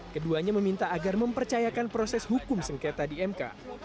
keduanya meminta agar mempercayakan proses hukum sengketa di mk